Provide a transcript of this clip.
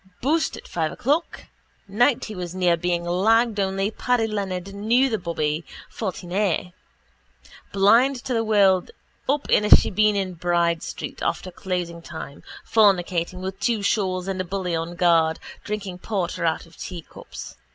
Boosed at five o'clock. Night he was near being lagged only Paddy Leonard knew the bobby, 14A. Blind to the world up in a shebeen in Bride street after closing time, fornicating with two shawls and a bully on guard, drinking porter out of teacups.